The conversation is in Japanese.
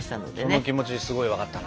その気持ちすごい分かったな。